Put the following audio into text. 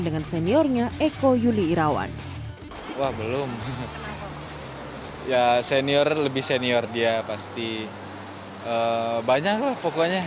dengan seniornya eko yuli irawan wah belum ya senior lebih senior dia pasti banyak lah pokoknya